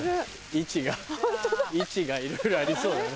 位置が位置がいろいろありそうだな。